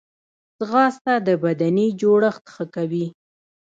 ځغاسته د بدني جوړښت ښه کوي